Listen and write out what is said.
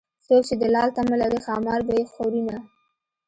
څوک چې د لال تمه لري ښامار به يې خورینه